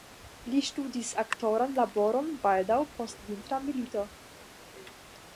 Li ŝtudis aktoran laboron baldaŭ post Vintra milito.